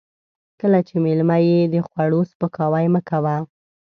کله چې مېلمه يې د خوړو سپکاوی مه کوه.